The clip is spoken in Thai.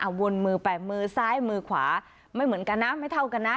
วนมือไปมือซ้ายมือขวาไม่เหมือนกันนะไม่เท่ากันนะ